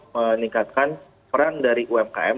meningkatkan peran dari umkm